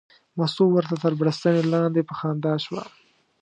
مستو ورته تر بړستنې لاندې په خندا شوه.